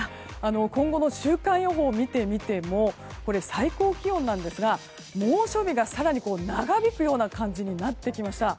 今後の週間予報を見てみても最高気温は猛暑日が更に長引く感じになってきました。